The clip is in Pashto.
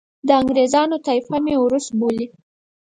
د انګریزانو طایفه مې اوروس بولي.